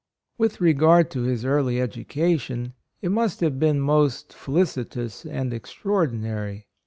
With regard to his early educa tion, it must have been most felicit ous and extraordinary.